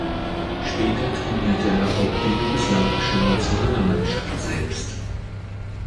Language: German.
Später trainierte er auch die jugoslawische Nationalmannschaft selbst.